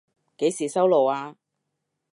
幾時收爐啊？